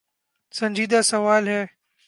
سنجیدہ سوال ہے۔